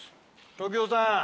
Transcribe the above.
時男さん。